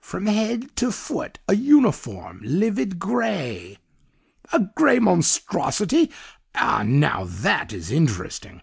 from head to foot a uniform livid grey.' "'A grey monstrosity! Ah! now THAT is interesting!